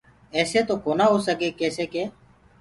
ايسي تو ڪونآ هوسگي ڪيسي ڪي